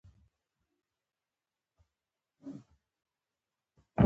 هغه وایي چې هڅه کول د بریالیتوب لامل ګرځي